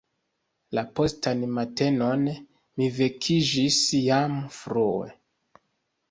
La postan matenon mi vekiĝis jam frue.